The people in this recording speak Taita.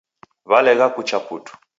Walegha kucha putu